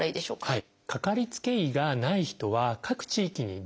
はい。